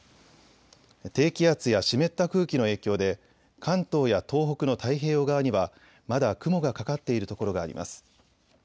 低気圧や湿った空気の影響で関東や東北の太平洋側にはまだ雲がかかっている所があります。